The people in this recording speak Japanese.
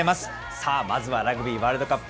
さあ、まずはラグビーワールドカップ